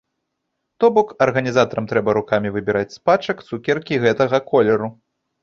То бок, арганізатарам трэба рукамі выбіраць з пачак цукеркі гэтага колеру.